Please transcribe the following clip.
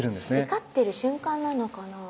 怒ってる瞬間なのかな？